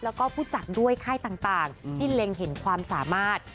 แล้วก็ผู้จัดด้วยค่ายต่างที่เล็งเห็นความสามารถ